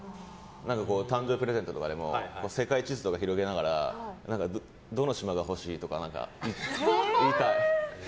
誕生日プレゼントとかでも世界地図とか広げながらどの島が欲しい？とか言いたい。